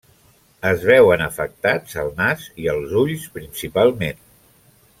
Es veuen afectats el nas i els ulls principalment.